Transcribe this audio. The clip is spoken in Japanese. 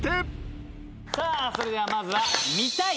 それではまずは見たい！